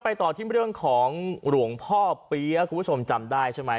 ต่อที่เรื่องของหลวงพ่อเปี๊ยะคุณผู้ชมจำได้ใช่ไหม